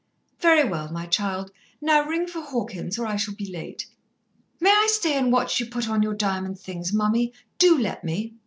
"Very well, my child. Now ring for Hawkins, or I shall be late." "May I stay and watch you put on your diamond things, mummy? Do let me."